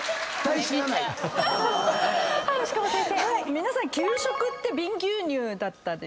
皆さん給食ってビン牛乳だったですかね？